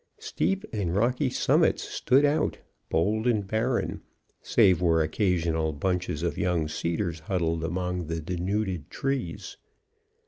Steep and rocky summits stood out, bold and barren, save where occasional bunches of young cedars huddled among the denuded trees.